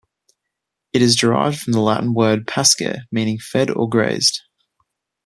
It is derrived from the Latin word, "pascere", meaning fed or grazed.